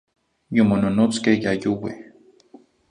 Yomononotzqueh ya youeh.